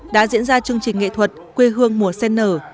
đã diễn ra chương trình nghệ thuật quê hương mùa sen nở